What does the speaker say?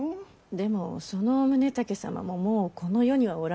でもその宗武様ももうこの世にはおられぬわけですし。